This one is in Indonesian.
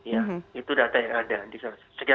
ya itu data yang ada